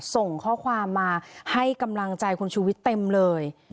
ส่งข้อความมาให้กำลังใจคุณชูวิทย์เต็มเลย